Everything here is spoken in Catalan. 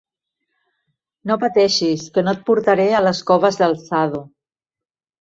No pateixis, que no et portaré a les coves del sado.